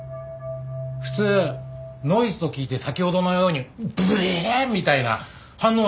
普通ノイズと聞いて先ほどのようにブエーッみたいな反応はしません。